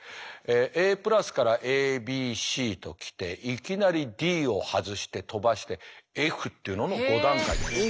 ＡからＡＢＣときていきなりＤを外して飛ばしてＦっていうのの５段階になります。